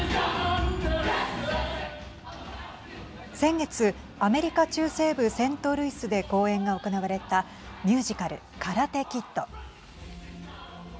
先月、アメリカ中西部セントルイスで公演が行われたミュージカルカラテ・キッド。